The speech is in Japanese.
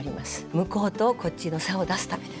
向こうとこっちの差を出すためです。